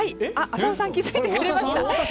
浅尾さん気づいてくれました？